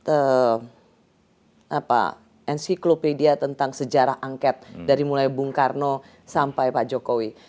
ada encyclopedia tentang sejarah angket dari mulai bung karno sampai pak jokowi